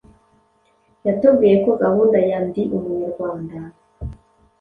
Yatubwiye ko gahunda ya “Ndi umunyarwanda”